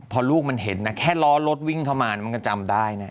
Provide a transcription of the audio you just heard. พอลูกมันเห็นนะแค่ล้อรถวิ่งเข้ามามันก็จำได้นะ